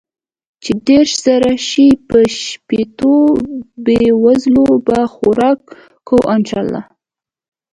چې ديرش زره شي په شپيتو بې وزلو به خوراک کو ان شاء الله.